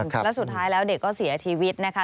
แล้วสุดท้ายแล้วเด็กก็เสียชีวิตนะคะ